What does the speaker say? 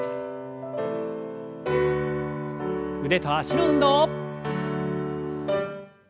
腕と脚の運動。